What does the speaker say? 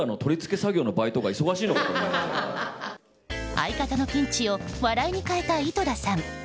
相方のピンチを笑いに変えた井戸田さん。